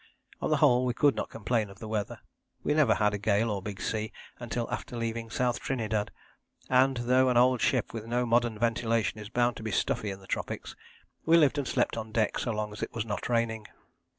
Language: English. On the whole we could not complain of the weather. We never had a gale or big sea until after leaving South Trinidad, and though an old ship with no modern ventilation is bound to be stuffy in the tropics, we lived and slept on deck so long as it was not raining.